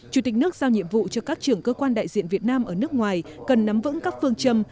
chủ tịch nước giao nhiệm vụ cho các trưởng cơ quan đại diện việt nam ở nước ngoài cần nắm vững các phương châm